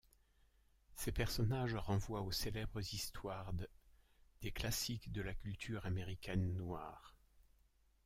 Ses personnages renvoient aux célèbres histoires d', des classiques de la culture américaine noire.